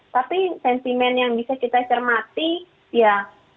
tapi sentimen yang bisa kita cermati ya